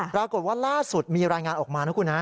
ปรากฏว่าล่าสุดมีรายงานออกมานะครับคุณฮะ